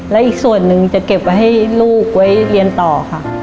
และอีกส่วนหนึ่งจะเก็บไว้ให้ลูกไว้เรียนต่อค่ะ